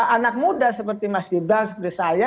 anak muda seperti mas gibran seperti saya